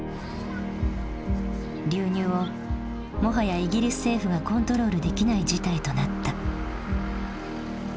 流入をもはやイギリス政府がコントロールできない事態となった。